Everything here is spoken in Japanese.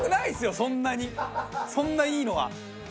そんなにそんないいのは。